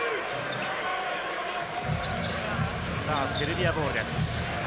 セルビアボールです。